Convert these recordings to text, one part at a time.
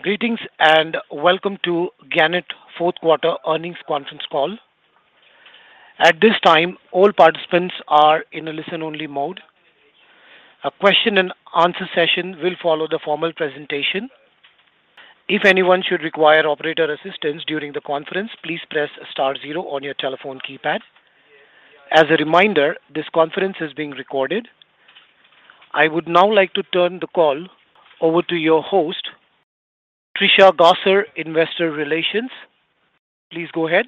Greetings and welcome to Gannett fourth quarter earnings conference call. At this time, all participants are in a listen-only mode. A question-and-answer session will follow the formal presentation. If anyone should require operator assistance during the conference, please press star zero on your telephone keypad. As a reminder, this conference is being recorded. I would now like to turn the call over to your host, Trisha Gosser, Investor Relations. Please go ahead.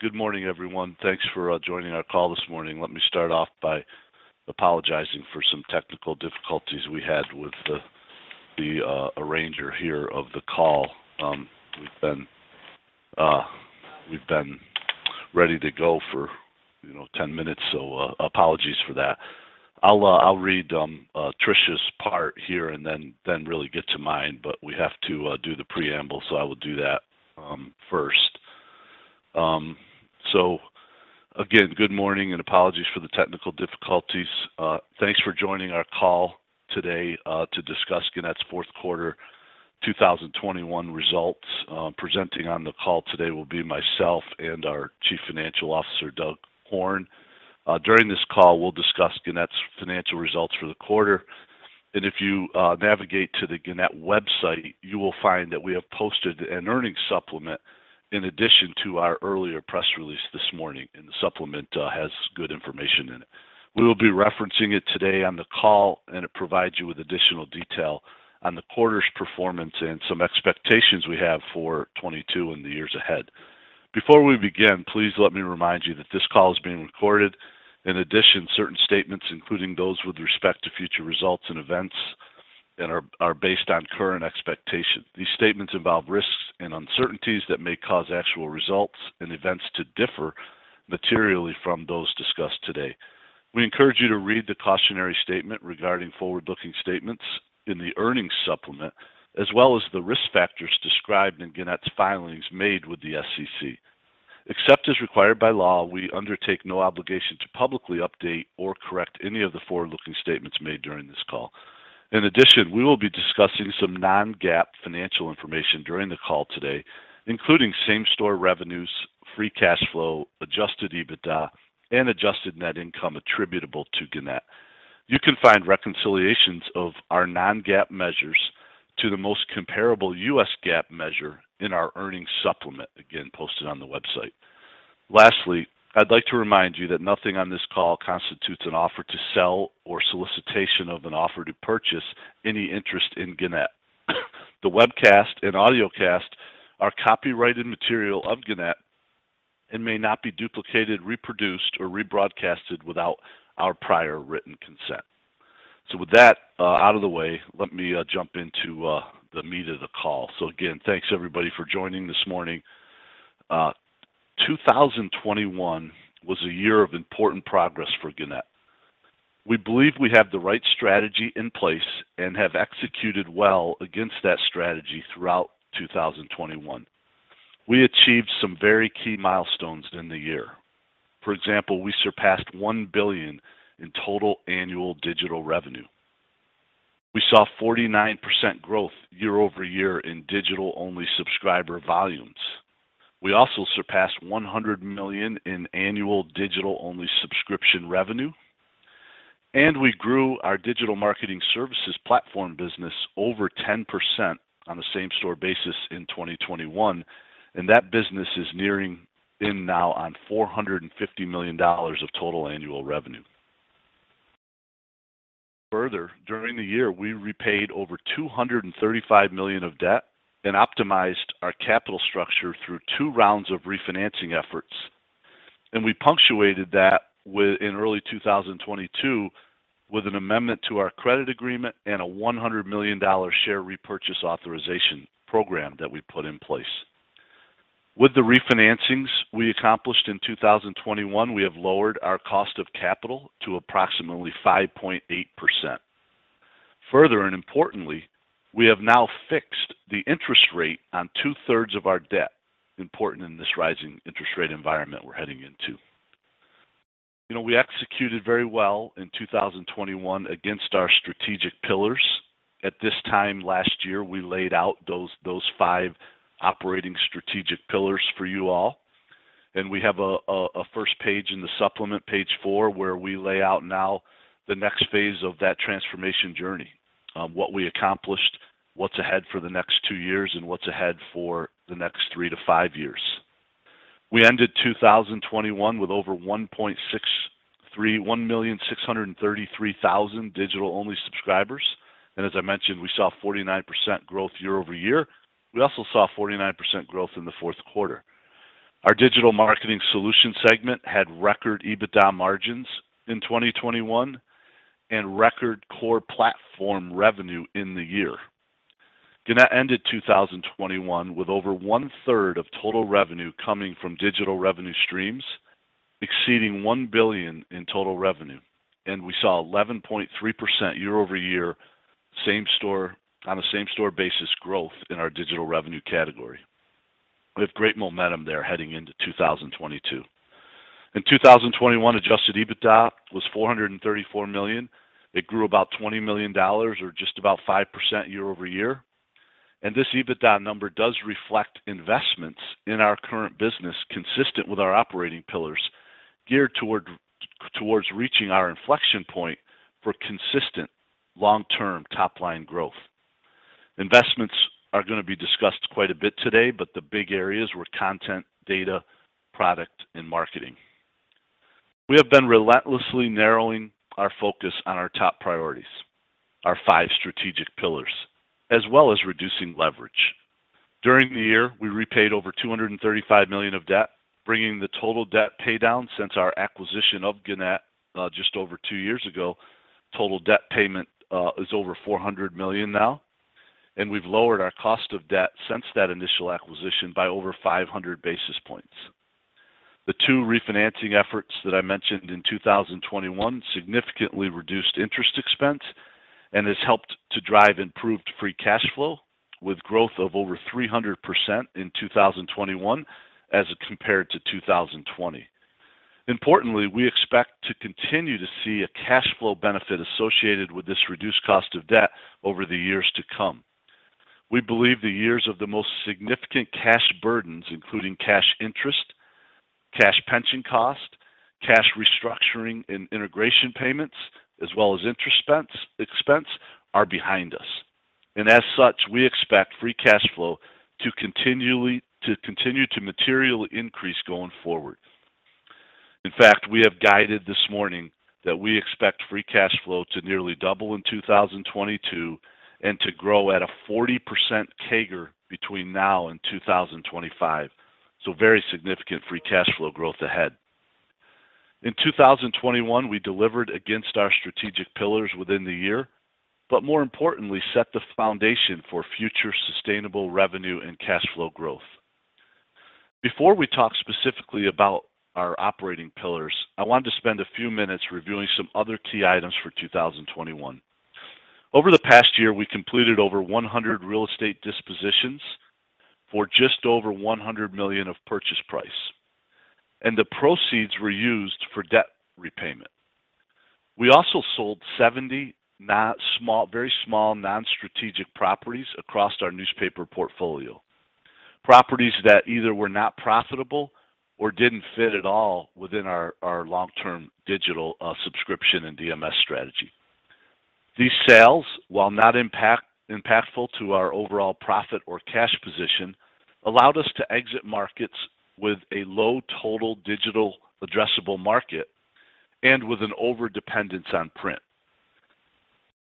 Good morning, everyone. Thanks for joining our call this morning. Let me start off by apologizing for some technical difficulties we had with the arranger here of the call. We've been ready to go for, you know, 10 minutes, so apologies for that. I'll read Tricia's part here and then really get to mine, but we have to do the preamble, so I will do that first. Again, good morning and apologies for the technical difficulties. Thanks for joining our call today to discuss Gannett's fourth quarter 2021 results. Presenting on the call today will be myself and our Chief Financial Officer, Doug Horne. During this call, we'll discuss Gannett's financial results for the quarter. If you navigate to the Gannett website, you will find that we have posted an earnings supplement in addition to our earlier press release this morning, and the supplement has good information in it. We will be referencing it today on the call, and it provides you with additional detail on the quarter's performance and some expectations we have for 2022 and the years ahead. Before we begin, please let me remind you that this call is being recorded. In addition, certain statements, including those with respect to future results and events, are based on current expectations. These statements involve risks and uncertainties that may cause actual results and events to differ materially from those discussed today. We encourage you to read the cautionary statement regarding forward-looking statements in the earnings supplement, as well as the risk factors described in Gannett's filings made with the SEC. Except as required by law, we undertake no obligation to publicly update or correct any of the forward-looking statements made during this call. In addition, we will be discussing some non-GAAP financial information during the call today, including same-store revenues, free cash flow, adjusted EBITDA and adjusted net income attributable to Gannett. You can find reconciliations of our non-GAAP measures to the most comparable U.S. GAAP measure in our earnings supplement, again posted on the website. Lastly, I'd like to remind you that nothing on this call constitutes an offer to sell or solicitation of an offer to purchase any interest in Gannett. The webcast and audiocast are copyrighted material of Gannett and may not be duplicated, reproduced, or rebroadcast without our prior written consent. With that out of the way, let me jump into the meat of the call. Again, thanks everybody for joining this morning. 2021 was a year of important progress for Gannett. We believe we have the right strategy in place and have executed well against that strategy throughout 2021. We achieved some very key milestones in the year. For example, we surpassed $1 billion in total annual digital revenue. We saw 49% growth year-over-year in digital-only subscriber volumes. We also surpassed $100 million in annual digital-only subscription revenue, and we grew our digital marketing services platform business over 10% on a same-store basis in 2021. That business is nearing in now on $450 million of total annual revenue. Further, during the year, we repaid over $235 million of debt and optimized our capital structure through two rounds of refinancing efforts. We punctuated that in early 2022 with an amendment to our credit agreement and a $100 million share repurchase authorization program that we put in place. With the refinancings we accomplished in 2021, we have lowered our cost of capital to approximately 5.8%. Further, and importantly, we have now fixed the interest rate on 2/3 of our debt, important in this rising interest rate environment we're heading into. You know, we executed very well in 2021 against our strategic pillars. At this time last year, we laid out those five operating strategic pillars for you all, and we have a first page in the supplement, page four, where we lay out now the next phase of that transformation journey, what we accomplished, what's ahead for the next two years, and what's ahead for the next three- five years. We ended 2021 with over 1,633,000 digital-only subscribers, and as I mentioned, we saw 49% growth year-over-year. We also saw 49% growth in the fourth quarter. Our digital marketing solution segment had record EBITDA margins in 2021 and record core platform revenue in the year. Gannett ended 2021 with over 1/3 of total revenue coming from digital revenue streams exceeding $1 billion in total revenue, and we saw 11.3% year-over-year same-store basis growth in our digital revenue category. We have great momentum there heading into 2022. In 2021, adjusted EBITDA was $434 million. It grew about $20 million or just about 5% year-over-year. This EBITDA number does reflect investments in our current business consistent with our operating pillars geared towards reaching our inflection point for consistent long-term top-line growth. Investments are going to be discussed quite a bit today, but the big areas were content, data, product, and marketing. We have been relentlessly narrowing our focus on our top priorities, our five strategic pillars, as well as reducing leverage. During the year, we repaid over $235 million of debt, bringing the total debt pay down since our acquisition of Gannett just over two years ago. Total debt payment is over $400 million now, and we've lowered our cost of debt since that initial acquisition by over 500 basis points. The two refinancing efforts that I mentioned in 2021 significantly reduced interest expense and has helped to drive improved free cash flow with growth of over 300% in 2021 as compared to 2020. Importantly, we expect to continue to see a cash flow benefit associated with this reduced cost of debt over the years to come. We believe the years of the most significant cash burdens, including cash interest, cash pension cost, cash restructuring, and integration payments, as well as interest expense, are behind us. As such, we expect free cash flow to continue to materially increase going forward. In fact, we have guided this morning that we expect free cash flow to nearly double in 2022 and to grow at a 40% CAGR between now and 2025. Very significant free cash flow growth ahead. In 2021, we delivered against our strategic pillars within the year, but more importantly, set the foundation for future sustainable revenue and cash flow growth. Before we talk specifically about our operating pillars, I wanted to spend a few minutes reviewing some other key items for 2021. Over the past year, we completed over 100 real estate dispositions for just over $100 million of purchase price, and the proceeds were used for debt repayment. We also sold 70 very small non-strategic properties across our newspaper portfolio, properties that either were not profitable or didn't fit at all within our long-term digital subscription and DMS strategy. These sales, while not impactful to our overall profit or cash position, allowed us to exit markets with a low total digital addressable market and with an overdependence on print.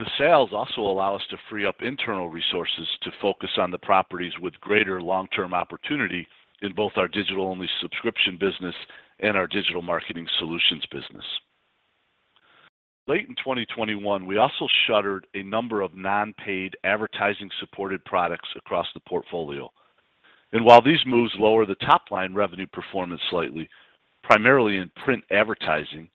The sales also allow us to free up internal resources to focus on the properties with greater long-term opportunity in both our digital-only subscription business and our digital marketing solutions business. Late in 2021, we also shuttered a number of non-paid advertising supported products across the portfolio. While these moves lower the top-line revenue performance slightly, primarily in print advertising,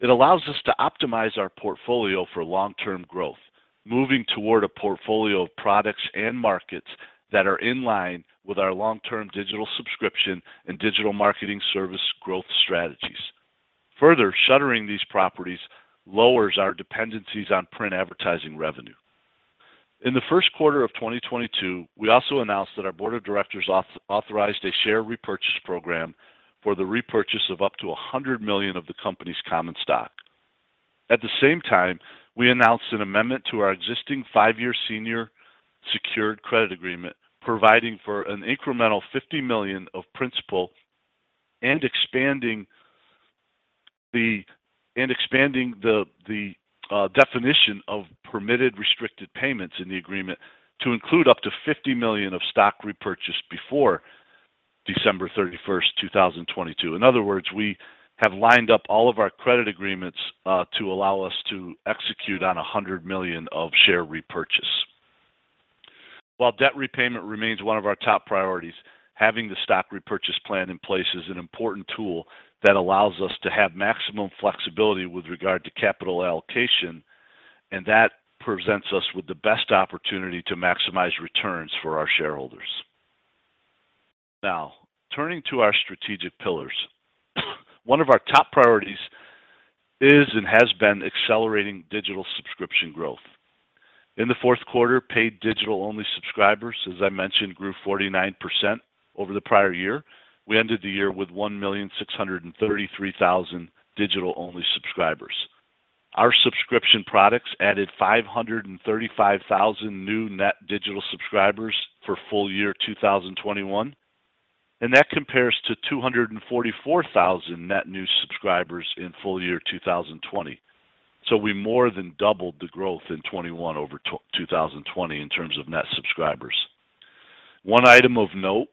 it allows us to optimize our portfolio for long-term growth, moving toward a portfolio of products and markets that are in line with our long-term digital subscription and digital marketing service growth strategies. Further, shuttering these properties lowers our dependencies on print advertising revenue. In the first quarter of 2022, we also announced that our board of directors authorized a share repurchase program for the repurchase of up to 100 million of the company's common stock. At the same time, we announced an amendment to our existing five-year senior secured credit agreement, providing for an incremental $50 million of principal and expanding the definition of permitted restricted payments in the agreement to include up to $50 million of stock repurchased before December 31st, 2022. In other words, we have lined up all of our credit agreements to allow us to execute on $100 million of share repurchase. While debt repayment remains one of our top priorities, having the stock repurchase plan in place is an important tool that allows us to have maximum flexibility with regard to capital allocation, and that presents us with the best opportunity to maximize returns for our shareholders. Now, turning to our strategic pillars, one of our top priorities is and has been accelerating digital subscription growth. In the fourth quarter, paid digital-only subscribers, as I mentioned, grew 49% over the prior year. We ended the year with 1,633,000 digital-only subscribers. Our subscription products added 535,000 new net digital subscribers for full-year 2021, and that compares to 244,000 net new subscribers in full-year 2020. We more than doubled the growth in 2021 over 2020 in terms of net subscribers. One item of note,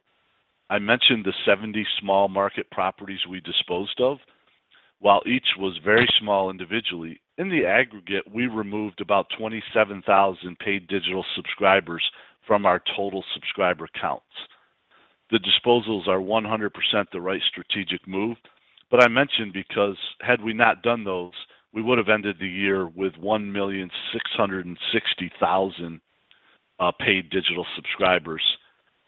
I mentioned the 70 small market properties we disposed of. While each was very small individually, in the aggregate, we removed about 27,000 paid digital subscribers from our total subscriber counts. The disposals are 100% the right strategic move. I mentioned because had we not done those, we would have ended the year with 1,660,000 paid digital subscribers,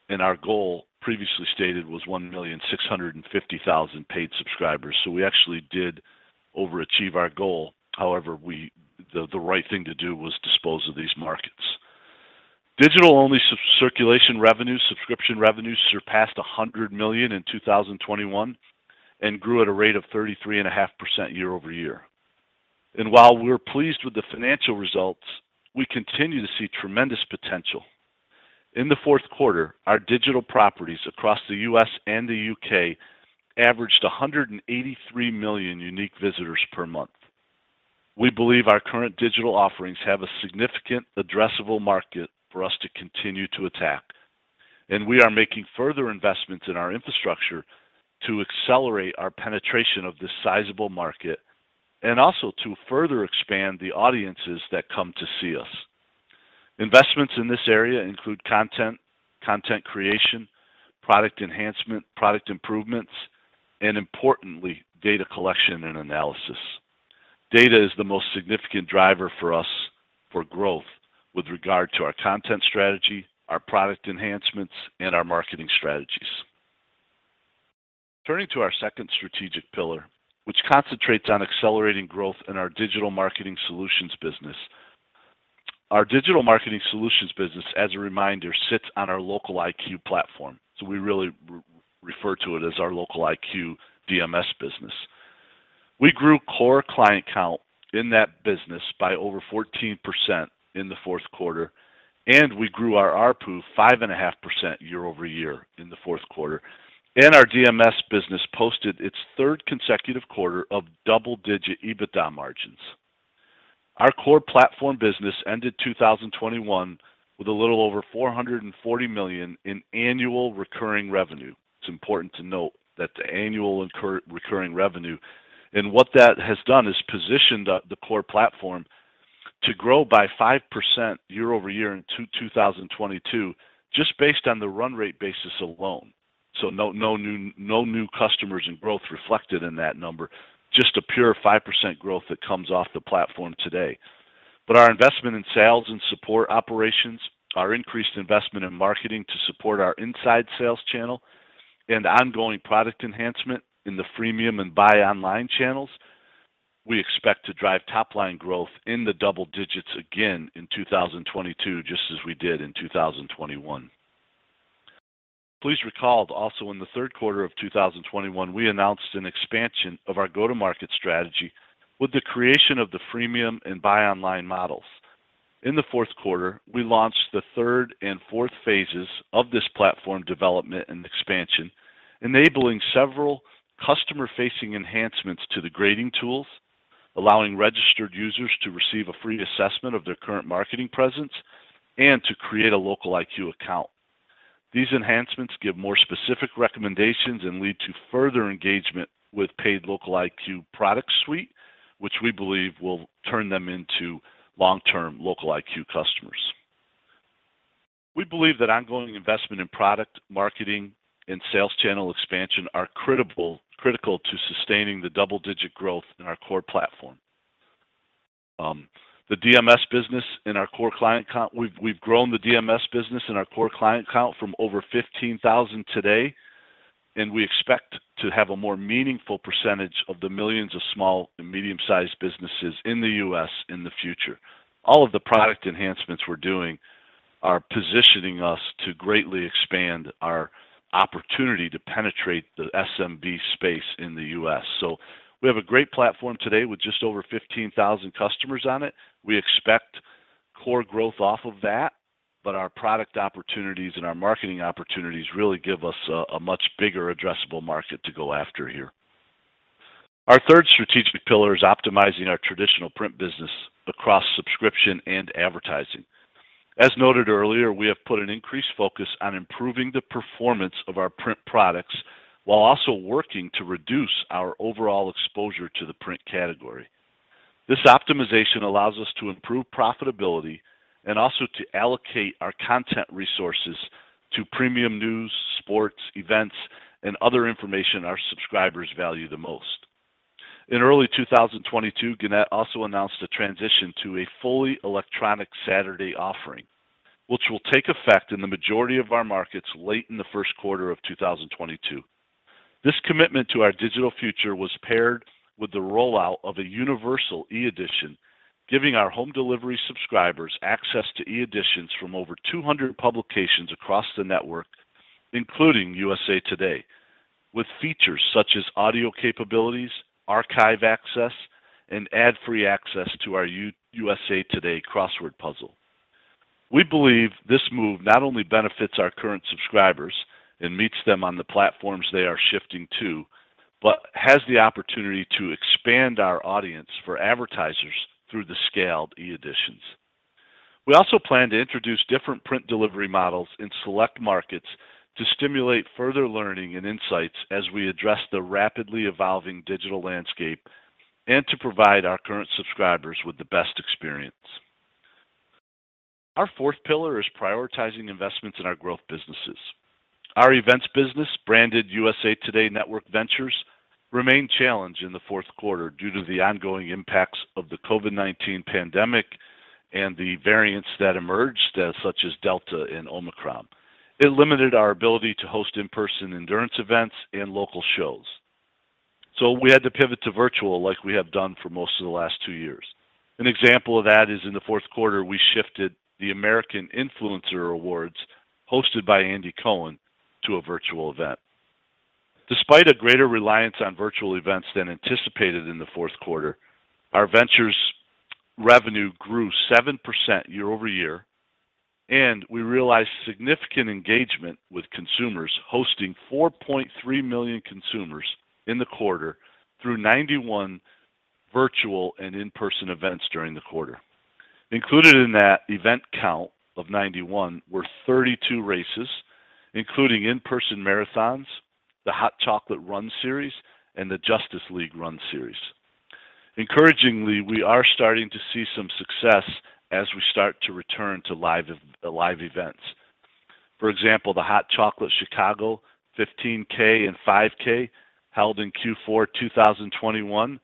and our goal previously stated was 1,650,000 paid subscribers. We actually did overachieve our goal. However, the right thing to do was dispose of these markets. Digital-only sub-circulation revenue, subscription revenue surpassed $100 million in 2021 and grew at a rate of 33.5% year-over-year. While we're pleased with the financial results, we continue to see tremendous potential. In the fourth quarter, our digital properties across the U.S. and the U.K. averaged 183 million unique visitors per month. We believe our current digital offerings have a significant addressable market for us to continue to attack, and we are making further investments in our infrastructure to accelerate our penetration of this sizable market and also to further expand the audiences that come to see us. Investments in this area include content creation, product enhancement, product improvements, and importantly, data collection and analysis. Data is the most significant driver for us for growth with regard to our content strategy, our product enhancements, and our marketing strategies. Turning to our second strategic pillar, which concentrates on accelerating growth in our digital marketing solutions business. Our digital marketing solutions business, as a reminder, sits on our LocaliQ platform. We really refer to it as our LocaliQ DMS business. We grew core client count in that business by over 14% in the fourth quarter, and we grew our ARPU 5.5% year-over-year in the fourth quarter, and our DMS business posted its third consecutive quarter of double-digit EBITDA margins. Our core platform business ended 2021 with a little over $440 million in annual recurring revenue. It's important to note that the annual recurring revenue and what that has done is positioned the core platform to grow by 5% year-over-year in 2022 just based on the run rate basis alone. No new customers, no growth reflected in that number, just a pure 5% growth that comes off the platform today. Our investment in sales and support operations, our increased investment in marketing to support our inside sales channel, and ongoing product enhancement in the freemium and buy online channels, we expect to drive top-line growth in the double-digits again in 2022, just as we did in 2021. Please recall also in the third quarter of 2021, we announced an expansion of our go-to-market strategy with the creation of the freemium and buy online models. In the fourth quarter, we launched the third and fourth phases of this platform development and expansion, enabling several customer-facing enhancements to the grading tools, allowing registered users to receive a free assessment of their current marketing presence and to create a LocaliQ account. These enhancements give more specific recommendations and lead to further engagement with paid LocaliQ product suite, which we believe will turn them into long-term LocaliQ customers. We believe that ongoing investment in product marketing and sales channel expansion are critical to sustaining the double-digit growth in our core platform. The DMS business in our core client count. We've grown the DMS business in our core client count from over 15,000 today, and we expect to have a more meaningful percentage of the millions of small and medium-sized businesses in the U.S. in the future. All of the product enhancements we're doing are positioning us to greatly expand our opportunity to penetrate the SMB space in the U.S. We have a great platform today with just over 15,000 customers on it. We expect core growth off of that, but our product opportunities and our marketing opportunities really give us a much bigger addressable market to go after here. Our third strategic pillar is optimizing our traditional print business across subscription and advertising. As noted earlier, we have put an increased focus on improving the performance of our print products while also working to reduce our overall exposure to the print category. This optimization allows us to improve profitability and also to allocate our content resources to premium news, sports, events, and other information our subscribers value the most. In early 2022, Gannett also announced a transition to a fully electronic Saturday offering, which will take effect in the majority of our markets late in the first quarter of 2022. This commitment to our digital future was paired with the rollout of a universal e-edition, giving our home delivery subscribers access to e-editions from over 200 publications across the network, including USA TODAY, with features such as audio capabilities, archive access, and ad-free access to our USA TODAY crossword puzzle. We believe this move not only benefits our current subscribers and meets them on the platforms they are shifting to, but has the opportunity to expand our audience for advertisers through the scaled e-editions. We also plan to introduce different print delivery models in select markets to stimulate further learning and insights as we address the rapidly evolving digital landscape and to provide our current subscribers with the best experience. Our fourth pillar is prioritizing investments in our growth businesses. Our events business, branded USA TODAY NETWORK Ventures, remained challenged in the fourth quarter due to the ongoing impacts of the COVID-19 pandemic and the variants that emerged, such as Delta and Omicron. It limited our ability to host in-person endurance events and local shows. We had to pivot to virtual like we have done for most of the last two years. An example of that is in the fourth quarter, we shifted the American Influencer Awards, hosted by Andy Cohen, to a virtual event. Despite a greater reliance on virtual events than anticipated in the fourth quarter, our ventures revenue grew 7% year-over-year, and we realized significant engagement with consumers, hosting 4.3 million consumers in the quarter through 91 virtual and in-person events during the quarter. Included in that event count of 91 were 32 races, including in-person marathons, the Hot Chocolate Run Series, and the Justice League Run Series. Encouragingly, we are starting to see some success as we start to return to live events. For example, the Hot Chocolate Chicago 15K and 5K held in Q4 2021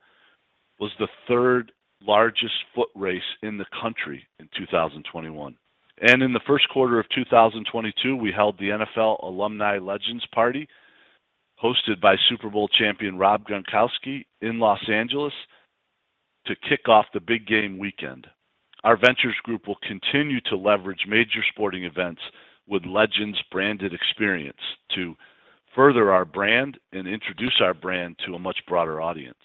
was the third-largest foot race in the country in 2021. In the first quarter of 2022, we held the NFL Alumni Legends Party, hosted by Super Bowl champion Rob Gronkowski in Los Angeles to kick off the big game weekend. Our ventures group will continue to leverage major sporting events with Legends branded experience to further our brand and introduce our brand to a much broader audience.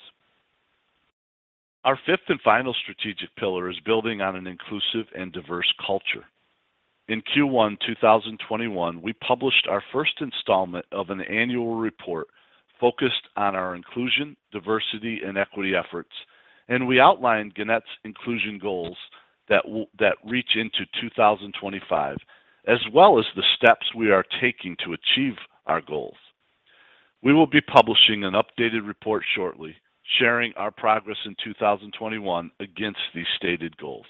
Our fifth and final strategic pillar is building on an inclusive and diverse culture. In Q1 2021, we published our first installment of an annual report focused on our inclusion, diversity, and equity efforts, and we outlined Gannett's inclusion goals that reach into 2025, as well as the steps we are taking to achieve our goals. We will be publishing an updated report shortly, sharing our progress in 2021 against these stated goals.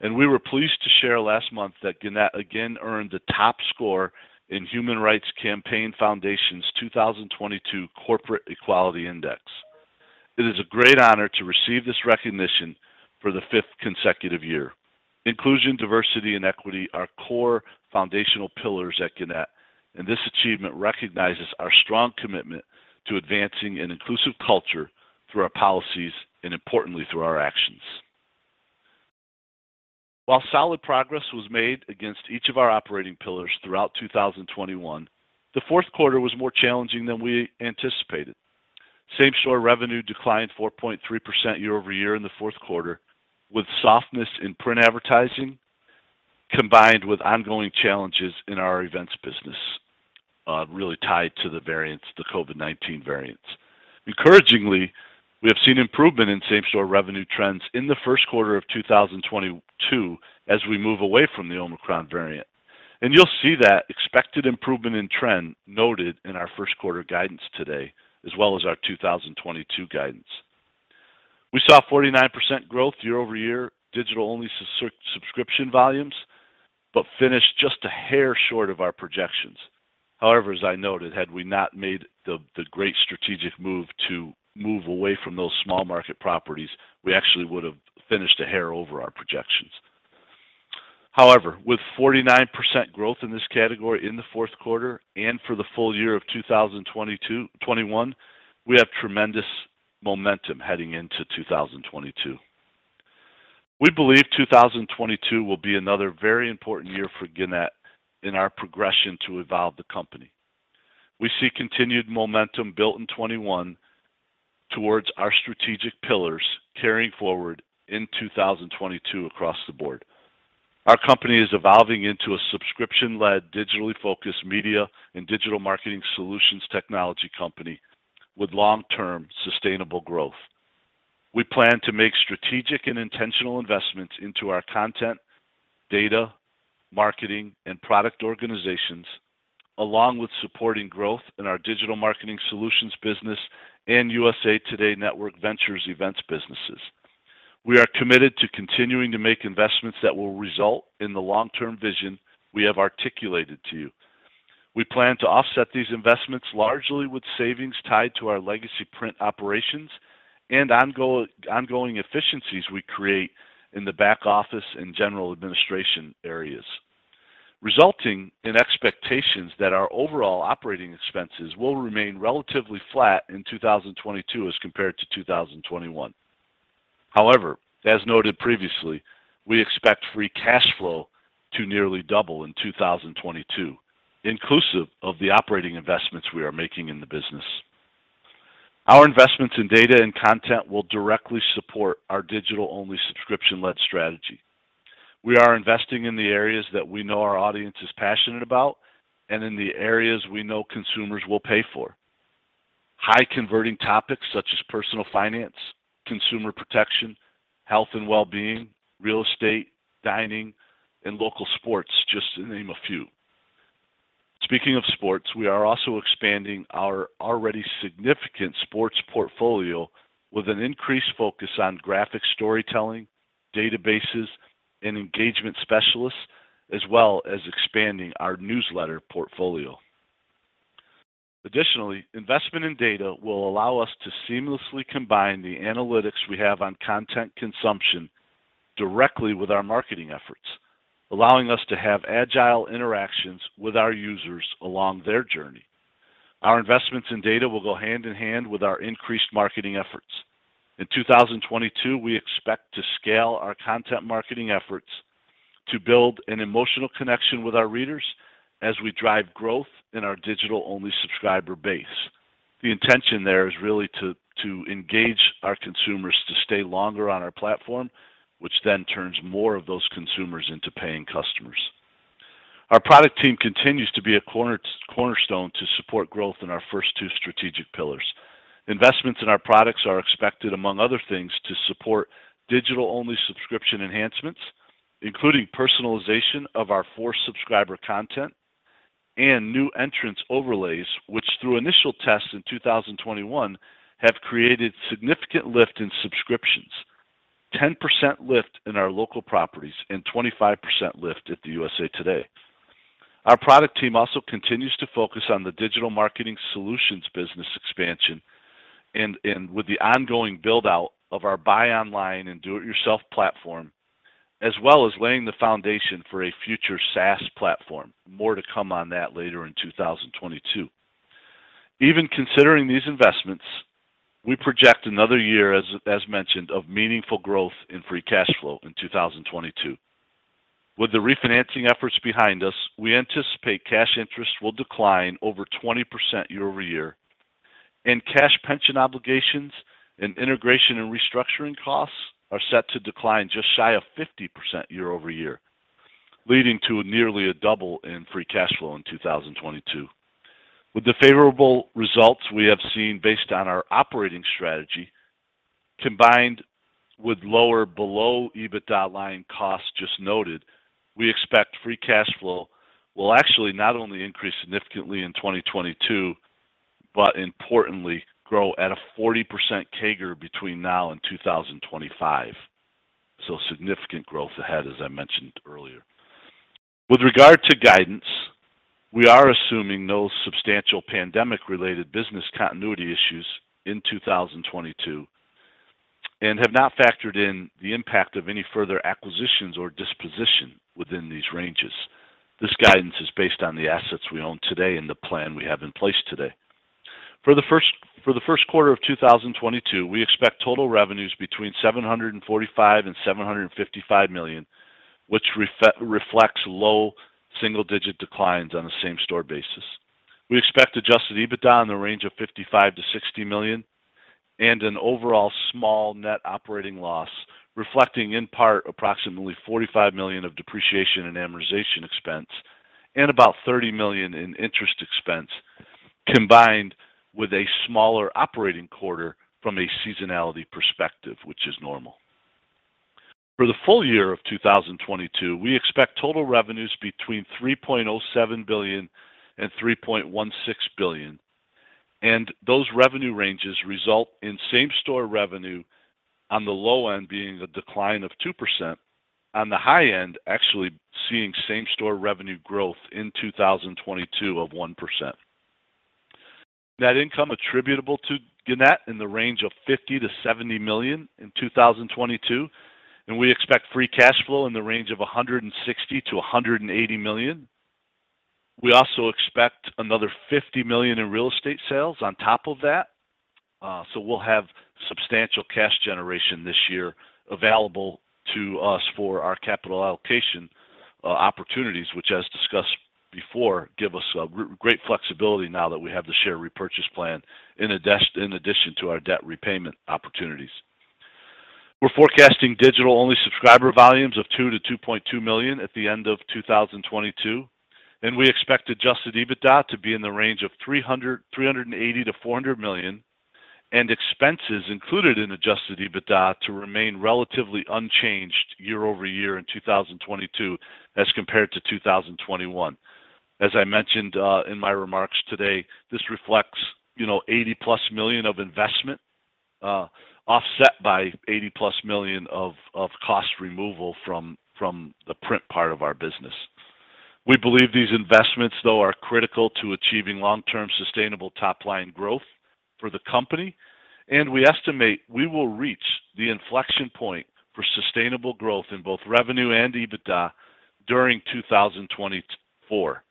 We were pleased to share last month that Gannett again earned the top score in Human Rights Campaign Foundation's 2022 Corporate Equality Index. It is a great honor to receive this recognition for the fifth consecutive year. Inclusion, diversity, and equity are core foundational pillars at Gannett, and this achievement recognizes our strong commitment to advancing an inclusive culture through our policies and importantly through our actions. While solid progress was made against each of our operating pillars throughout 2021, the fourth quarter was more challenging than we anticipated. Same-store revenue declined 4.3% year-over-year in the fourth quarter, with softness in print advertising combined with ongoing challenges in our events business, really tied to the variants, the COVID-19 variants. Encouragingly, we have seen improvement in same-store revenue trends in the first quarter of 2022 as we move away from the Omicron variant, and you'll see that expected improvement in trend noted in our first quarter guidance today, as well as our 2022 guidance. We saw 49% growth year-over-year digital-only subscription volumes, but finished just a hair short of our projections. However, as I noted, had we not made the great strategic move to move away from those small market properties, we actually would have finished a hair over our projections. However, with 49% growth in this category in the fourth quarter and for the full-year of 2021, we have tremendous momentum heading into 2022. We believe 2022 will be another very important year for Gannett in our progression to evolve the company. We see continued momentum built in 2021 towards our strategic pillars carrying forward in 2022 across the board. Our company is evolving into a subscription-led, digitally-focused media and digital marketing solutions technology company with long-term sustainable growth. We plan to make strategic and intentional investments into our content, data, marketing, and product organizations, along with supporting growth in our digital marketing solutions business and USA TODAY Network Ventures events businesses. We are committed to continuing to make investments that will result in the long-term vision we have articulated to you. We plan to offset these investments largely with savings tied to our legacy print operations and ongoing efficiencies we create in the back office and general administration areas, resulting in expectations that our overall operating expenses will remain relatively flat in 2022 as compared to 2021. However, as noted previously, we expect free cash flow to nearly double in 2022, inclusive of the operating investments we are making in the business. Our investments in data and content will directly support our digital-only subscription-led strategy. We are investing in the areas that we know our audience is passionate about and in the areas we know consumers will pay for. High converting topics such as personal finance, consumer protection, health and well-being, real estate, dining, and local sports, just to name a few. Speaking of sports, we are also expanding our already significant sports portfolio with an increased focus on graphic storytelling, databases, and engagement specialists, as well as expanding our newsletter portfolio. Additionally, investment in data will allow us to seamlessly combine the analytics we have on content consumption directly with our marketing efforts, allowing us to have agile interactions with our users along their journey. Our investments in data will go hand in hand with our increased marketing efforts. In 2022, we expect to scale our content marketing efforts to build an emotional connection with our readers as we drive growth in our digital-only subscriber base. The intention there is really to engage our consumers to stay longer on our platform, which then turns more of those consumers into paying customers. Our product team continues to be a cornerstone to support growth in our first two strategic pillars. Investments in our products are expected, among other things, to support digital-only subscription enhancements, including personalization of our core subscriber content and new entrance overlays, which through initial tests in 2021 have created significant lift in subscriptions. 10% lift in our local properties and 25% lift at the USA TODAY. Our product team also continues to focus on the digital marketing solutions business expansion and with the ongoing build-out of our buy online and do it yourself platform, as well as laying the foundation for a future SaaS platform. More to come on that later in 2022. Even considering these investments, we project another year, as mentioned, of meaningful growth in free cash flow in 2022. With the refinancing efforts behind us, we anticipate cash interest will decline over 20% year-over-year, and cash pension obligations and integration and restructuring costs are set to decline just shy of 50% year-over-year, leading to nearly a double in free cash flow in 2022. With the favorable results we have seen based on our operating strategy, combined with lower below-the-line EBITDA costs just noted, we expect free cash flow will actually not only increase significantly in 2022, but importantly grow at a 40% CAGR between now and 2025. Significant growth ahead, as I mentioned earlier. With regard to guidance, we are assuming no substantial pandemic-related business continuity issues in 2022 and have not factored in the impact of any further acquisitions or dispositions within these ranges. This guidance is based on the assets we own today and the plan we have in place today. For the first quarter of 2022, we expect total revenues between $745 million and $755 million, which reflects low single-digit declines on a same-store basis. We expect adjusted EBITDA in the range of $55 million-$60 million and an overall small net operating loss, reflecting in part approximately $45 million of depreciation and amortization expense and about $30 million in interest expense, combined with a smaller operating quarter from a seasonality perspective, which is normal. For the full-year of 2022, we expect total revenues between $3.07 billion and $3.16 billion, and those revenue ranges result in same-store revenue on the low end being a decline of 2%. On the high end, actually seeing same-store revenue growth in 2022 of 1%. Net income attributable to Gannett in the range of $50 million-$70 million in 2022, and we expect free cash flow in the range of $160 million-$180 million. We also expect another $50 million in real estate sales on top of that, so we'll have substantial cash generation this year available to us for our capital allocation opportunities, which as discussed before, give us a great flexibility now that we have the share repurchase plan in addition to our debt repayment opportunities. We're forecasting digital-only subscriber volumes of 2-2.2 million at the end of 2022, and we expect adjusted EBITDA to be in the range of $380 million-$400 million, and expenses included in adjusted EBITDA to remain relatively unchanged year-over-year in 2022 as compared to 2021. As I mentioned in my remarks today, this reflects, you know, $80+ million of investment, offset by $80+ million of cost removal from the print part of our business. We believe these investments though are critical to achieving long-term sustainable top-line growth for the company, and we estimate we will reach the inflection point for sustainable growth in both revenue and EBITDA during 2024.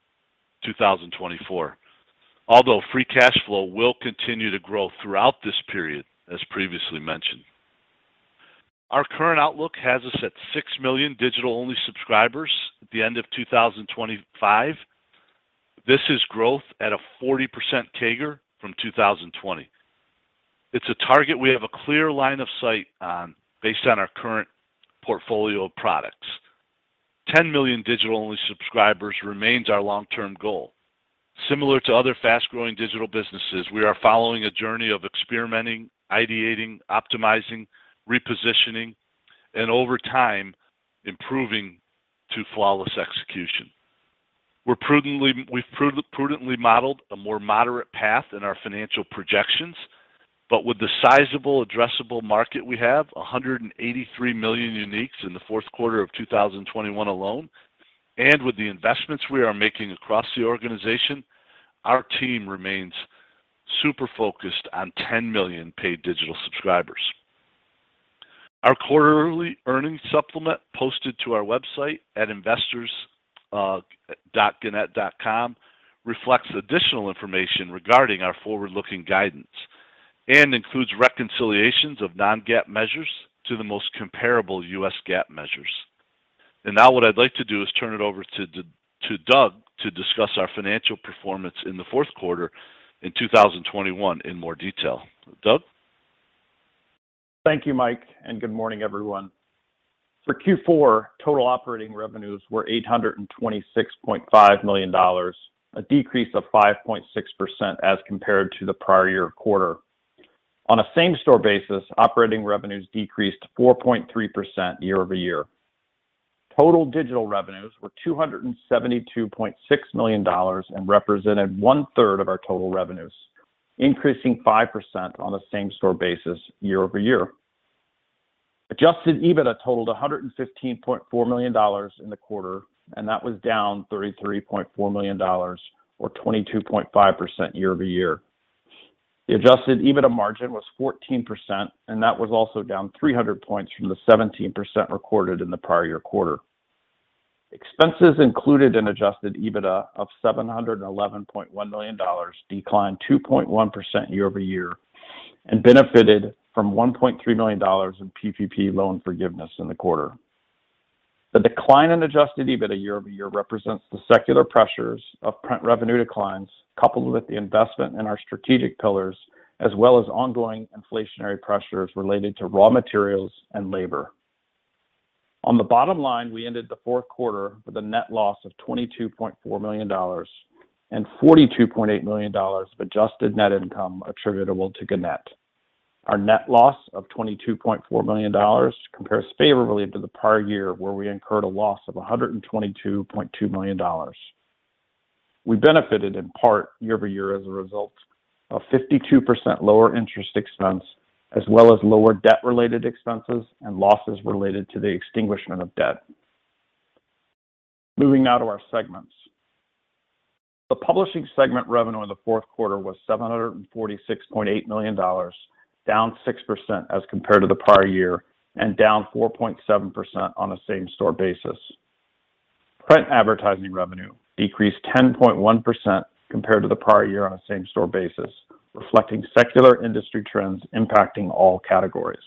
Although free cash flow will continue to grow throughout this period, as previously mentioned. Our current outlook has us at 6 million digital-only subscribers at the end of 2025. This is growth at a 40% CAGR from 2020. It's a target we have a clear line of sight on based on our current portfolio of products. 10 million digital-only subscribers remains our long-term goal. Similar to other fast-growing digital businesses, we are following a journey of experimenting, ideating, optimizing, repositioning and over time, improving to flawless execution. We've prudently modeled a more moderate path in our financial projections, but with the sizable addressable market we have, 183 million uniques in the fourth quarter of 2021 alone, and with the investments we are making across the organization, our team remains super focused on 10 million paid digital subscribers. Our quarterly earnings supplement posted to our website at investors.gannett.com reflects additional information regarding our forward-looking guidance and includes reconciliations of non-GAAP measures to the most comparable U.S. GAAP measures. Now what I'd like to do is turn it over to Doug to discuss our financial performance in the fourth quarter in 2021 in more detail. Doug? Thank you, Mike, and good morning, everyone. For Q4, total operating revenues were $826.5 million, a decrease of 5.6% as compared to the prior year quarter. On a same-store basis, operating revenues decreased 4.3% year-over-year. Total digital revenues were $272.6 million and represented 1/3 of our total revenues, increasing 5% on a same-store basis year-over-year. Adjusted EBITDA totaled $115.4 million in the quarter, and that was down $33.4 million or 22.5% year-over-year. The adjusted EBITDA margin was 14%, and that was also down 300 points from the 17% recorded in the prior year quarter. Expenses included an adjusted EBITDA of $711.1 million, declined 2.1% year-over-year, and benefited from $1.3 million in PPP loan forgiveness in the quarter. The decline in adjusted EBITDA year-over-year represents the secular pressures of print revenue declines coupled with the investment in our strategic pillars, as well as ongoing inflationary pressures related to raw materials and labor. On the bottom line, we ended the fourth quarter with a net loss of $22.4 million and $42.8 million of adjusted net income attributable to Gannett. Our net loss of $22.4 million compares favorably to the prior year, where we incurred a loss of $122.2 million. We benefited in part year-over-year as a result of 52% lower interest expense, as well as lower debt-related expenses and losses related to the extinguishment of debt. Moving now to our segments. Publishing segment revenue in the fourth quarter was $746.8 million, down 6% as compared to the prior year and down 4.7% on a same-store basis. Print advertising revenue decreased 10.1% compared to the prior year on a same-store basis, reflecting secular industry trends impacting all categories.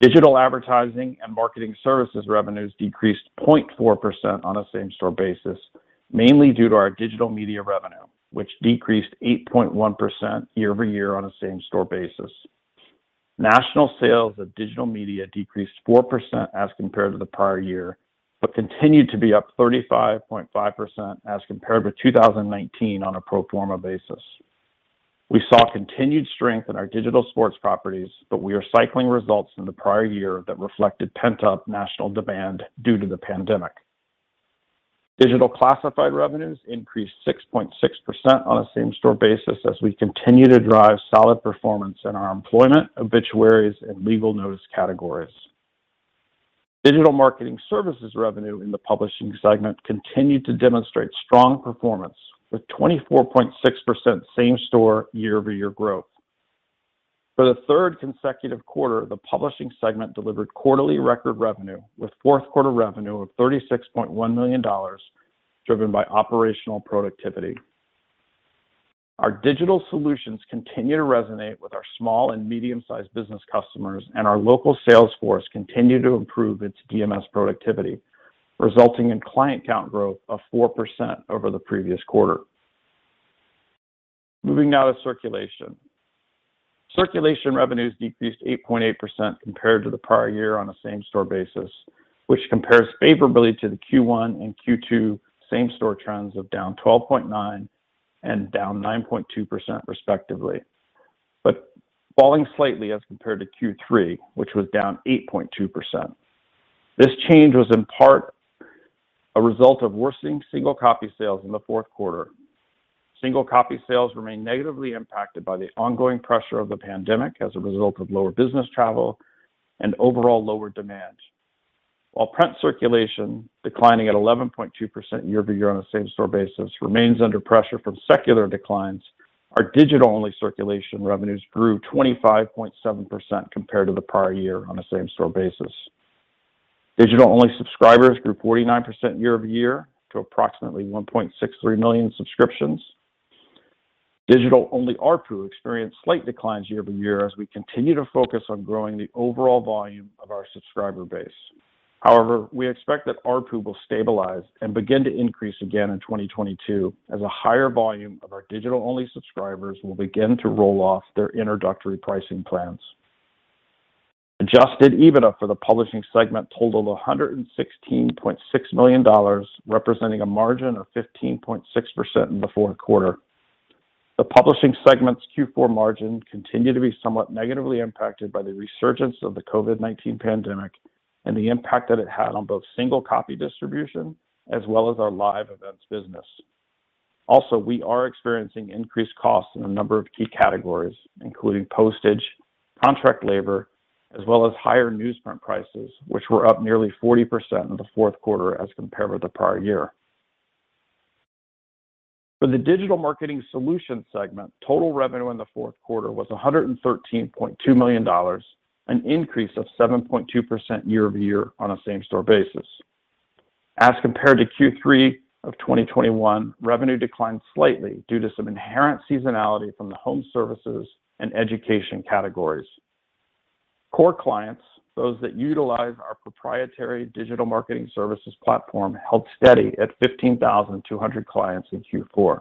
Digital advertising and marketing services revenues decreased 0.4% on a same-store basis, mainly due to our digital media revenue, which decreased 8.1% year-over-year on a same-store basis. National sales of digital media decreased 4% as compared to the prior year, but continued to be up 35.5% as compared with 2019 on a pro forma basis. We saw continued strength in our digital sports properties, but we are cycling results from the prior year that reflected pent-up national demand due to the pandemic. Digital classified revenues increased 6.6% on a same-store basis as we continue to drive solid performance in our employment, obituaries, and legal notice categories. Digital marketing services revenue in the publishing segment continued to demonstrate strong performance with 24.6% same-store, year-over-year growth. For the third consecutive quarter, the publishing segment delivered quarterly record revenue with fourth-quarter revenue of $36.1 million, driven by operational productivity. Our digital solutions continue to resonate with our small and medium-sized business customers, and our local sales force continue to improve its DMS productivity, resulting in client count growth of 4% over the previous quarter. Moving now to circulation. Circulation revenues decreased 8.8% compared to the prior year on a same-store basis, which compares favorably to the Q1 and Q2 same-store trends of down 12.9% and down 9.2% respectively, but falling slightly as compared to Q3, which was down 8.2%. This change was in part a result of worsening single copy sales in the fourth quarter. Single copy sales remain negatively impacted by the ongoing pressure of the pandemic as a result of lower business travel and overall lower demand. While print circulation, declining at 11.2% year-over-year on a same-store basis, remains under pressure from secular declines, our digital-only circulation revenues grew 25.7% compared to the prior year on a same-store basis. Digital-only subscribers grew 49% year-over-year to approximately 1.63 million subscriptions. Digital-only ARPU experienced slight declines year-over-year as we continue to focus on growing the overall volume of our subscriber base. However, we expect that ARPU will stabilize and begin to increase again in 2022 as a higher volume of our digital-only subscribers will begin to roll off their introductory pricing plans. Adjusted EBITDA for the Publishing segment totaled $116.6 million, representing a margin of 15.6% in the fourth quarter. The Publishing segment's Q4 margin continued to be somewhat negatively impacted by the resurgence of the COVID-19 pandemic and the impact that it had on both single copy distribution as well as our live events business. Also, we are experiencing increased costs in a number of key categories, including postage, contract labor, as well as higher newsprint prices, which were up nearly 40% in the fourth quarter as compared with the prior year. For the Digital Marketing Solutions segment, total revenue in the fourth quarter was $113.2 million, an increase of 7.2% year-over-year on a same-store basis. As compared to Q3 of 2021, revenue declined slightly due to some inherent seasonality from the home services and education categories. Core clients, those that utilize our proprietary digital marketing services platform, held steady at 15,200 clients in Q4.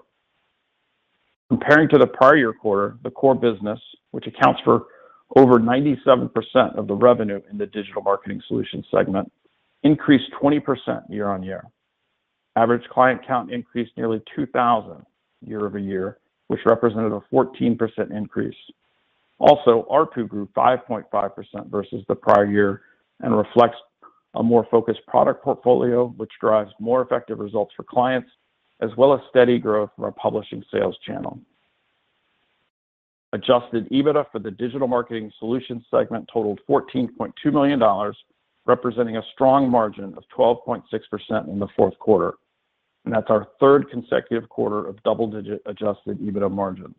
Comparing to the prior year quarter, the core business, which accounts for over 97% of the revenue in the Digital Marketing Solutions segment, increased 20% year-over-year. Average client count increased nearly 2,000 year-over-year, which represented a 14% increase. Also, ARPU grew 5.5% versus the prior year and reflects a more focused product portfolio, which drives more effective results for clients as well as steady growth from our publishing sales channel. Adjusted EBITDA for the Digital Marketing Solutions segment totaled $14.2 million, representing a strong margin of 12.6% in the fourth quarter. That's our third consecutive quarter of double-digit adjusted EBITDA margins.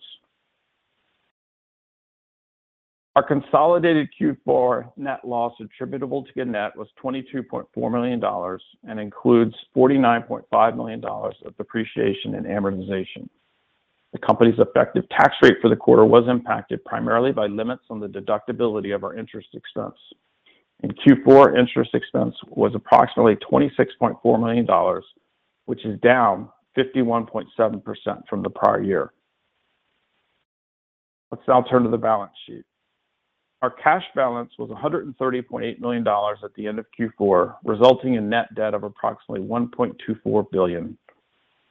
Our consolidated Q4 net loss attributable to Gannett was $22.4 million and includes $49.5 million of depreciation and amortization. The company's effective tax rate for the quarter was impacted primarily by limits on the deductibility of our interest expense. In Q4, interest expense was approximately $26.4 million, which is down 51.7% from the prior year. Let's now turn to the balance sheet. Our cash balance was $130.8 million at the end of Q4, resulting in net debt of approximately $1.24 billion.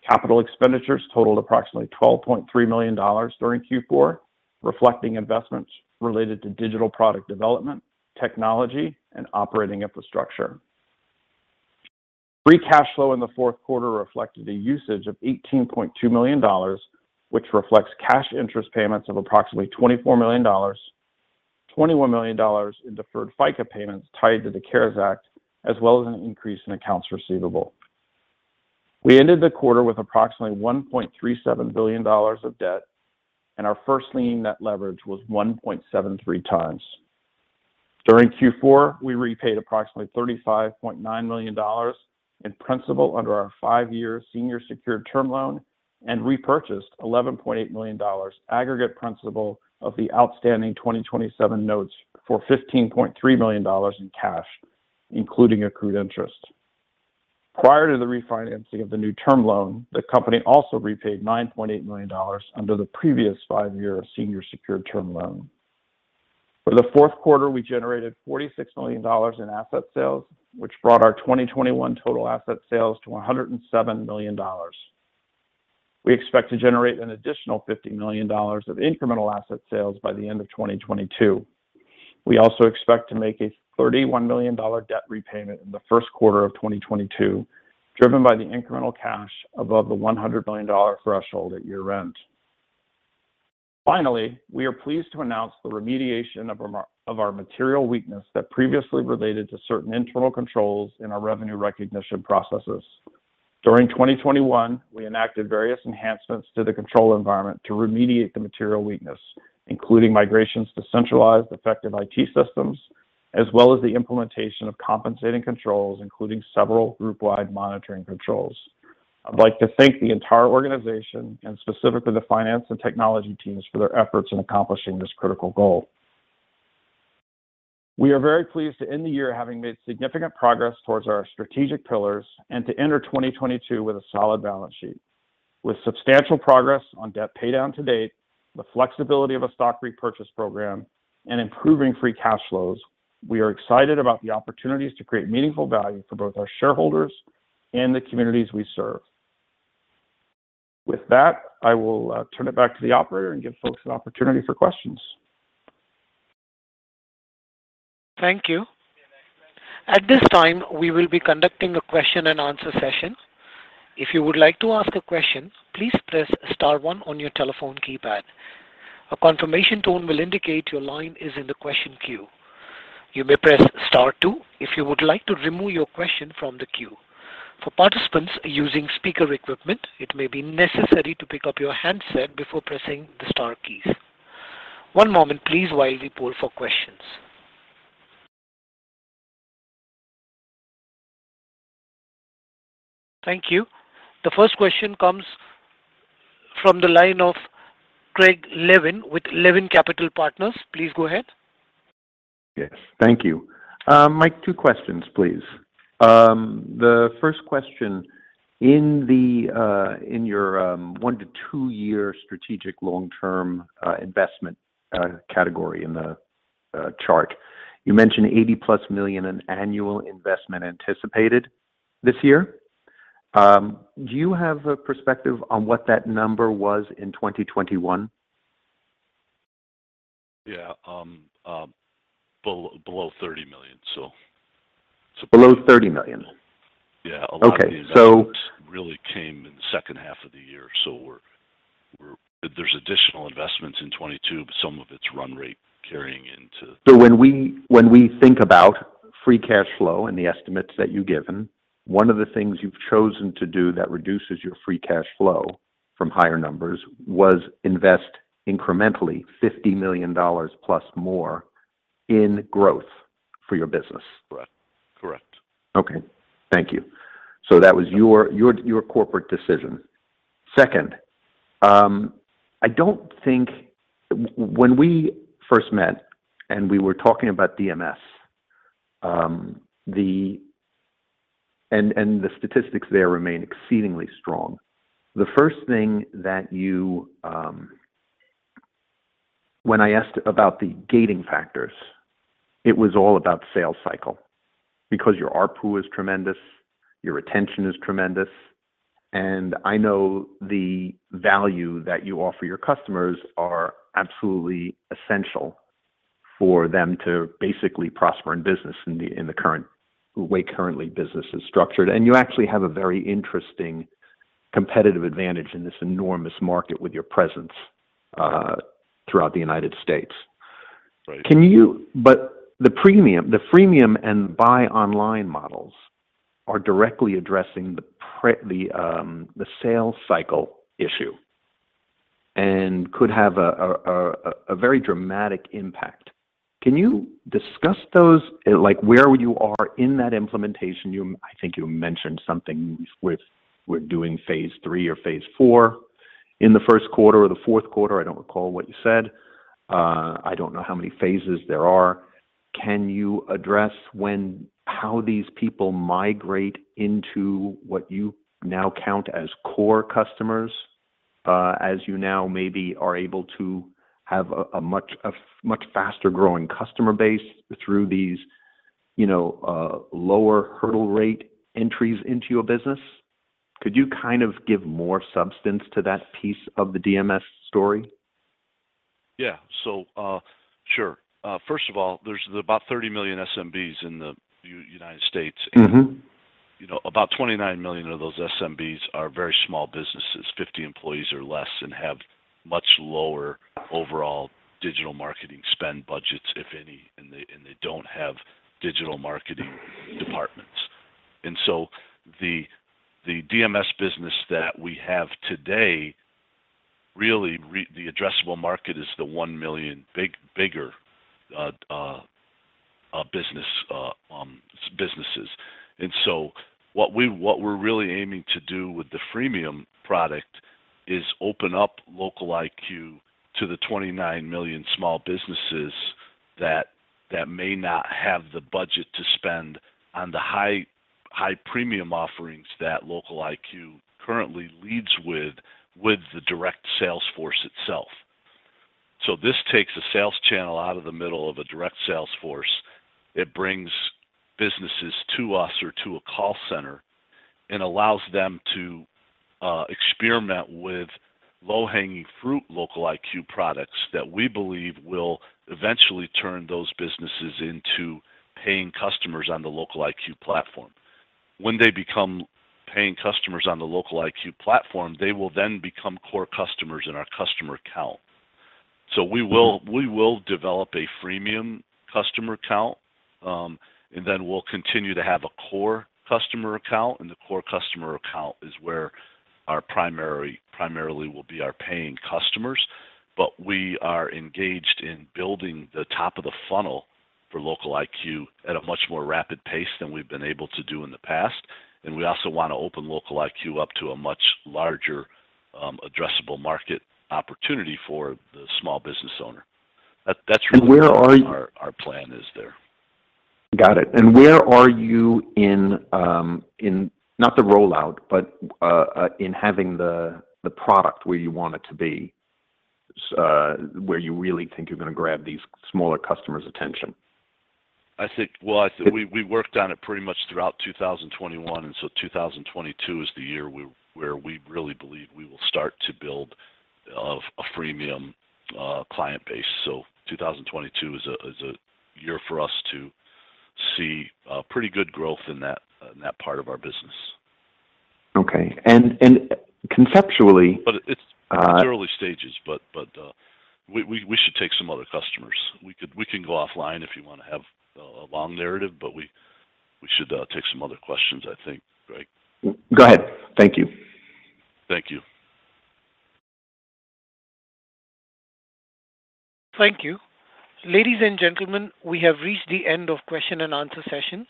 Capital expenditures totaled approximately $12.3 million during Q4, reflecting investments related to digital product development, technology, and operating infrastructure. Free cash flow in the fourth quarter reflected a usage of $18.2 million, which reflects cash interest payments of approximately $24 million, $21 million in deferred FICA payments tied to the CARES Act, as well as an increase in accounts receivable. We ended the quarter with approximately $1.37 billion of debt, and our first lien net leverage was 1.73x. During Q4, we repaid approximately $35.9 million in principal under our five-year senior secured term loan and repurchased $11.8 million aggregate principal of the outstanding 2027 notes for $15.3 million in cash, including accrued interest. Prior to the refinancing of the new term loan, the company also repaid $9.8 million under the previous five-year senior secured term loan. For the fourth quarter, we generated $46 million in asset sales, which brought our 2021 total asset sales to $107 million. We expect to generate an additional $50 million of incremental asset sales by the end of 2022. We also expect to make a $31 million debt repayment in the first quarter of 2022, driven by the incremental cash above the $100 million threshold at year end. Finally, we are pleased to announce the remediation of our material weakness that previously related to certain internal controls in our revenue recognition processes. During 2021, we enacted various enhancements to the control environment to remediate the material weakness, including migrations to centralized effective IT systems, as well as the implementation of compensating controls, including several group-wide monitoring controls. I'd like to thank the entire organization and specifically the finance and technology teams for their efforts in accomplishing this critical goal. We are very pleased to end the year having made significant progress towards our strategic pillars and to enter 2022 with a solid balance sheet. With substantial progress on debt paydown to date, the flexibility of a stock repurchase program, and improving free cash flows, we are excited about the opportunities to create meaningful value for both our shareholders and the communities we serve. With that, I will turn it back to the operator and give folks an opportunity for questions. Thank you. At this time, we will be conducting a question-and-answer session. If you would like to ask a question, please press star one on your telephone keypad. A confirmation tone will indicate your line is in the question queue. You may press star two if you would like to remove your question from the queue. For participants using speaker equipment, it may be necessary to pick up your handset before pressing the star keys. One moment please while we poll for questions. Thank you. The first question comes from the line of Craig Levin with Levin Capital Partners. Please go ahead. Yes. Thank you. Mike, two questions, please. The first question. In your one -two year strategic long-term investment category in the chart, you mentioned $80+ million in annual investment anticipated this year? Do you have a perspective on what that number was in 2021? Yeah, below $30 million, so. Below $30 million? Yeah. Okay. A lot of the investments really came in the second half of the year, so we're. There's additional investments in 2022, but some of it's run rate carrying into When we think about free cash flow and the estimates that you've given, one of the things you've chosen to do that reduces your free cash flow from higher numbers was invest incrementally $50 million+ more in growth for your business. Correct. Correct. Okay. Thank you. That was your corporate decision. Second, when we first met, and we were talking about DMS, the statistics there remain exceedingly strong. When I asked about the gating factors, it was all about sales cycle because your ARPU is tremendous, your retention is tremendous, and I know the value that you offer your customers are absolutely essential for them to basically prosper in business in the current way business is structured. You actually have a very interesting competitive advantage in this enormous market with your presence throughout the United States. Right. The premium, the freemium and buy online models are directly addressing the sales cycle issue and could have a very dramatic impact. Can you discuss those? Like, where you are in that implementation? I think you mentioned something with we're doing phase three or phase IV in the first quarter or the fourth quarter. I don't recall what you said. I don't know how many phases there are. Can you address how these people migrate into what you now count as core customers, as you now maybe are able to have a much faster growing customer base through these, you know, lower hurdle rate entries into your business? Could you kind of give more substance to that piece of the DMS story? First of all, there's about 30 million SMBs in the United States. Mm-hmm. You know, about 29 million of those SMBs are very small businesses, 50 employees or less, and have much lower overall digital marketing spend budgets, if any, and they don't have digital marketing departments. The DMS business that we have today, really the addressable market is the 1 million bigger businesses. What we're really aiming to do with the freemium product is open up LocaliQ to the 29 million small businesses that may not have the budget to spend on the high premium offerings that LocaliQ currently leads with the direct sales force itself. This takes the sales channel out of the middle of a direct sales force. It brings businesses to us or to a call center and allows them to experiment with low-hanging fruit LocaliQ products that we believe will eventually turn those businesses into paying customers on the LocaliQ platform. When they become paying customers on the LocaliQ platform, they will then become core customers in our customer count. Mm-hmm. We will develop a freemium customer count, and then we'll continue to have a core customer count, and the core customer count is where primarily will be our paying customers. We are engaged in building the top of the funnel for LocaliQ at a much more rapid pace than we've been able to do in the past. We also want to open LocaliQ up to a much larger addressable market opportunity for the small business owner. That's really- Where are you- Our plan is there. Got it. Where are you in not the rollout, but in having the product where you want it to be, where you really think you're gonna grab these smaller customers' attention? I think we worked on it pretty much throughout 2021, and 2022 is the year where we really believe we will start to build a freemium client base. 2022 is a year for us to see pretty good growth in that part of our business. Okay. Conceptually But it's- Uh- It's early stages, but we should take some other customers. We can go offline if you wanna have a long narrative, but we should take some other questions, I think, Craig Levin. Go ahead. Thank you. Thank you. Thank you. Ladies and gentlemen, we have reached the end of question-and-answer session,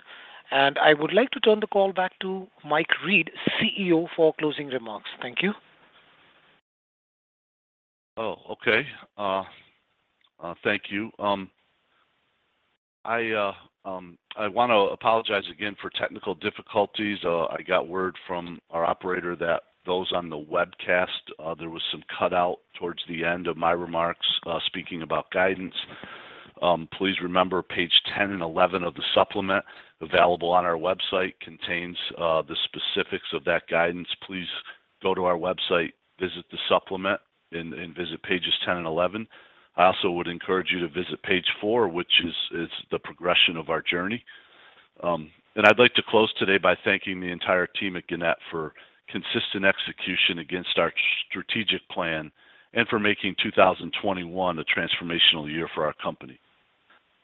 and I would like to turn the call back to Mike Reed, CEO, for closing remarks. Thank you. Thank you. I wanna apologize again for technical difficulties. I got word from our operator that those on the webcast there was some cutout towards the end of my remarks speaking about guidance. Please remember page 10 and 11 of the supplement available on our website contains the specifics of that guidance. Please go to our website, visit the supplement and visit pages 10 and 11. I also would encourage you to visit page four, which is the progression of our journey. I'd like to close today by thanking the entire team at Gannett for consistent execution against our strategic plan and for making 2021 a transformational year for our company.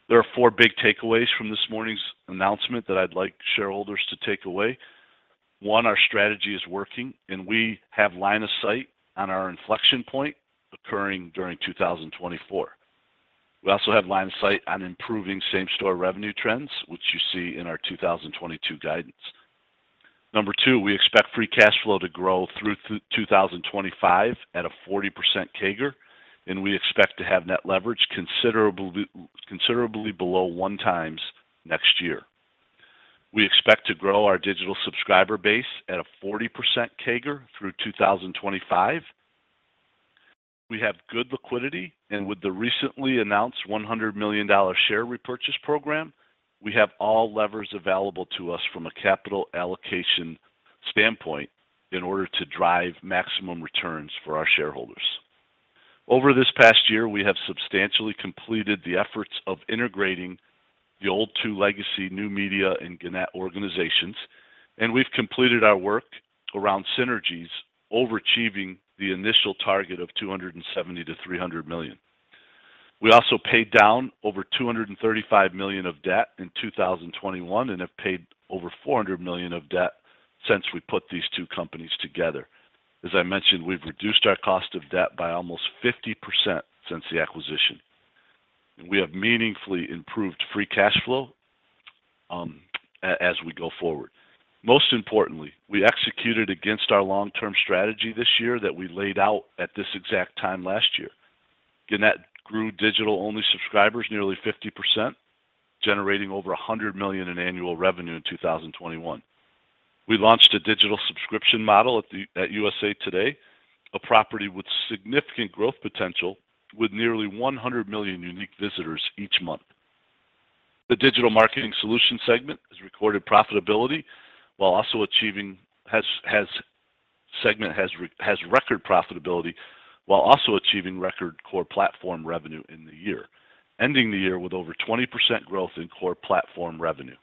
There are four big takeaways from this morning's announcement that I'd like shareholders to take away. One, our strategy is working, and we have line of sight on our inflection point occurring during 2024. We also have line of sight on improving same-store revenue trends, which you see in our 2022 guidance. Number two, we expect free cash flow to grow through 2025 at a 40% CAGR, and we expect to have net leverage considerably below 1x next year. We expect to grow our digital subscriber base at a 40% CAGR through 2025. We have good liquidity, and with the recently announced $100 million share repurchase program, we have all levers available to us from a capital allocation standpoint in order to drive maximum returns for our shareholders. Over this past year, we have substantially completed the efforts of integrating the old two legacy New Media and Gannett organizations, and we've completed our work around synergies overachieving the initial target of $270 million-$300 million. We also paid down over $235 million of debt in 2021 and have paid over $400 million of debt since we put these two companies together. As I mentioned, we've reduced our cost of debt by almost 50% since the acquisition. We have meaningfully improved free cash flow as we go forward. Most importantly, we executed against our long-term strategy this year that we laid out at this exact time last year. Gannett grew digital-only subscribers nearly 50%, generating over $100 million in annual revenue in 2021. We launched a digital subscription model at USA TODAY, a property with significant growth potential with nearly 100 million unique visitors each month. The digital marketing solution segment has record profitability while also achieving record core platform revenue in the year, ending the year with over 20% growth in core platform revenue.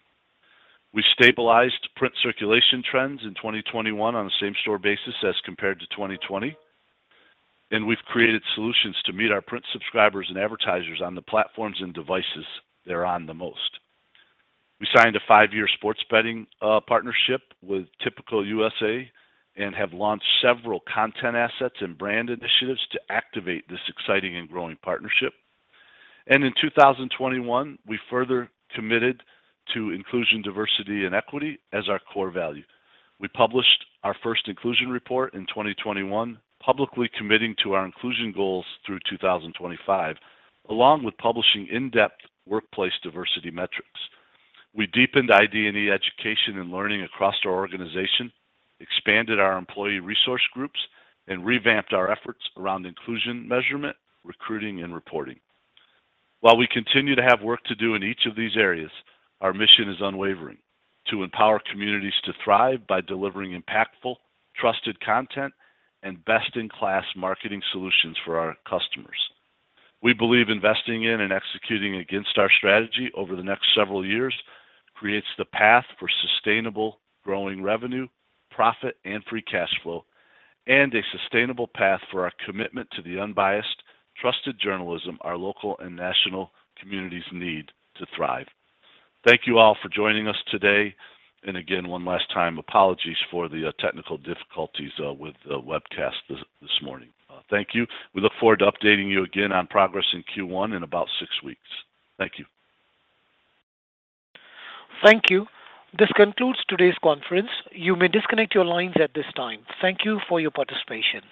We stabilized print circulation trends in 2021 on a same-store basis as compared to 2020, and we've created solutions to meet our print subscribers and advertisers on the platforms and devices they're on the most. We signed a five-year sports betting partnership with Tipico USA and have launched several content assets and brand initiatives to activate this exciting and growing partnership. In 2021, we further committed to inclusion, diversity, and equity as our core value. We published our first inclusion report in 2021, publicly committing to our inclusion goals through 2025, along with publishing in-depth workplace diversity metrics. We deepened ID&E education and learning across our organization, expanded our employee resource groups, and revamped our efforts around inclusion measurement, recruiting, and reporting. While we continue to have work to do in each of these areas, our mission is unwavering, to empower communities to thrive by delivering impactful, trusted content and best-in-class marketing solutions for our customers. We believe investing in and executing against our strategy over the next several years creates the path for sustainable growing revenue, profit, and free cash flow, and a sustainable path for our commitment to the unbiased, trusted journalism our local and national communities need to thrive. Thank you all for joining us today. Again, one last time, apologies for the technical difficulties with the webcast this morning. Thank you. We look forward to updating you again on progress in Q1 in about six weeks. Thank you. Thank you. This concludes today's conference. You may disconnect your lines at this time. Thank you for your participation.